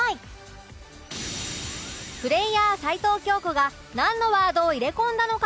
プレイヤー齊藤京子がなんのワードを入れ込んだのか？